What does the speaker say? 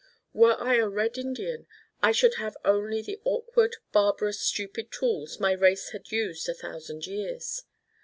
Were I a red Indian I should have only the awkward barbarous stupid tools my race had used a thousand years.